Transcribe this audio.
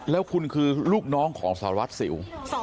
แล้วคุณคือลูกน้องของสารวัตรสิว